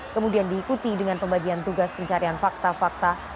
kemudian diikuti dengan pembagian tugas pencarian fakta fakta